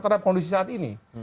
terhadap kondisi saat ini